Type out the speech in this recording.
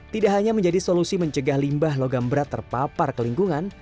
tidak hanya menjadi solusi mencegah limbah logam berat terpapar ke lingkungan